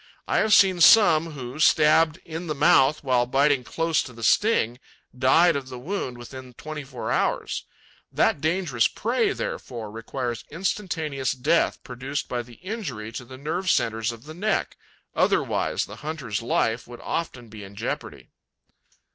I have seen some who, stabbed in the mouth while biting close to the sting, died of the wound within the twenty four hours. That dangerous prey, therefore, requires instantaneous death, produced by the injury to the nerve centres of the neck; otherwise, the hunter's life would often be in jeopardy.